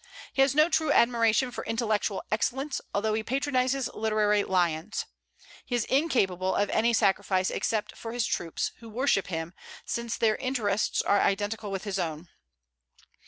He has no true admiration for intellectual excellence, although he patronizes literary lions. He is incapable of any sacrifice except for his troops, who worship him, since their interests are identical with his own.